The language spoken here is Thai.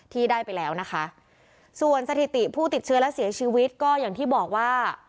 ที่ได้ไปแล้วนะคะส่วนสถิติผู้ติดเชื้อและเสียชีวิตก็อย่างที่บอกว่า